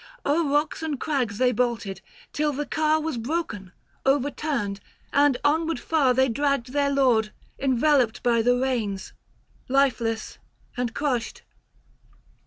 O'er rocks and crags they bolted, till the car Was broken, overturned, and onward far 895 They dragged their lord, enveloped by the reins, Lifeless and crushed.